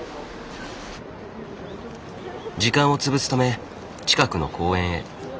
時間を潰すため近くの公園へ。